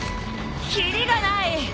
切りがない。